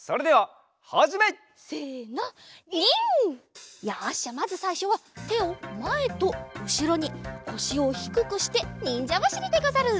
じゃまずさいしょはてをまえとうしろにこしをひくくしてにんじゃばしりでござる！